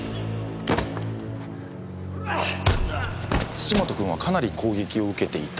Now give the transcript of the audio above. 土本君はかなり攻撃を受けていた。